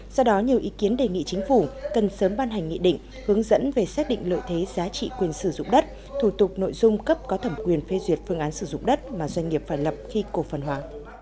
do đó nhiều ý kiến đề nghị chính phủ cần sớm ban hành nghị định hướng dẫn về xác định lợi thế giá trị quyền sử dụng đất thủ tục nội dung cấp có thẩm quyền phê duyệt phương án sử dụng đất mà doanh nghiệp phải lập khi cổ phần hóa